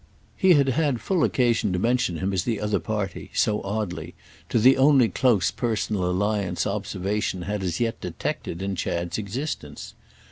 He had had full occasion to mention him as the other party, so oddly, to the only close personal alliance observation had as yet detected in Chad's existence.